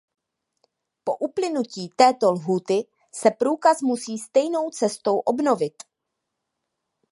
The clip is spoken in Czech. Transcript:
Po uplynutí této lhůty se průkaz musí stejnou cestou obnovit.